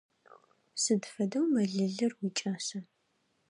Сыд фэдэу мэлылыр уикӏаса?